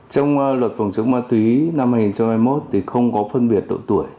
trong luật phòng chống ma túy năm hai nghìn hai mươi một thì không có phân biệt độ tuổi